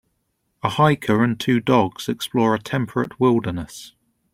A hiker and two dogs explore a temperate wilderness.